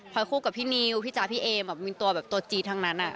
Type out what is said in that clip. พอยคู่กับพี่นิวพี่จ๊ะพี่เอแบบมีตัวแบบตัวจี๊ดทั้งนั้น